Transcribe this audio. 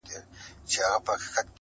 خو دانو ته یې زړه نه سو ټینګولای -